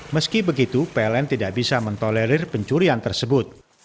meski begitu pln tidak bisa mentolerir pencurian tersebut